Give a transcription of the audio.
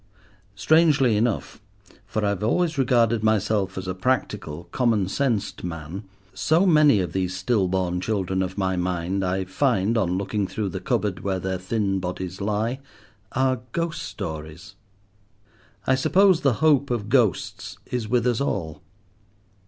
Strangely enough, for I have always regarded myself as a practical, commonsensed man, so many of these still born children of my mind I find, on looking through the cupboard where their thin bodies lie, are ghost stories. I suppose the hope of ghosts is with us all.